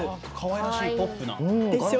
かわいらしい、ポップな。